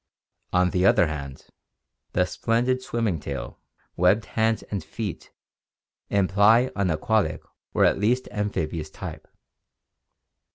On the other hand, the splendid swimming tail, webbed hands and feet imply an aquatic or at least amphibious type.